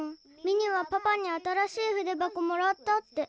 ミニはパパに新しいふでばこもらったって。